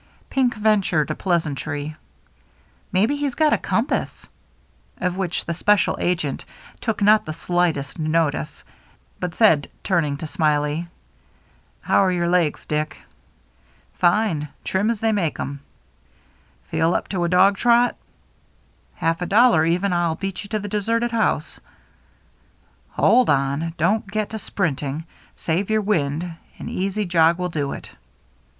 Pink ventured a pleasantry, " Maybe he's got a compass," of which the special agent took not the slightest notice ; but said, turning to Smiley, " How are your legs, Dick ?"" Fine. Trim as they make them." 356 THE MERRY ASNE " Feci up to a dog trot ?^ •*HaIf a dollar even. Til beat you to the deserted house." "Hold on, don't get to sprinting. Save your wind. An easy jog will do it."